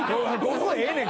そこはええねん。